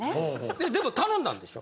えでも頼んだんでしょ？